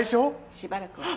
しばらくは。